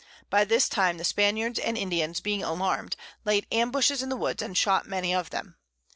By this time the Spaniards and Indians being alarm'd, laid Ambushes in the Woods, and shot many of them.